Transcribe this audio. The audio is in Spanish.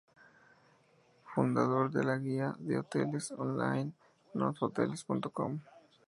Fundador de la guía de hoteles "online" Notodohoteles.com.